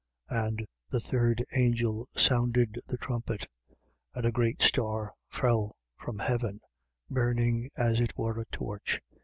8:10. And the third angel sounded the trumpet: and a great star fell from heaven, burning as it were a torch.